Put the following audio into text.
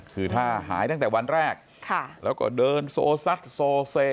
คือถ้าหายตั้งแต่วันแรกแล้วก็เดินโซซัดโซเซ